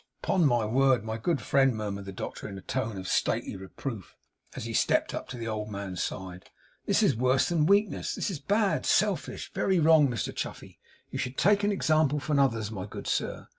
'Upon my word, my good friend,' murmured the doctor, in a tone of stately reproof, as he stepped up to the old man's side, 'this is worse than weakness. This is bad, selfish, very wrong, Mr Chuffey. You should take example from others, my good sir.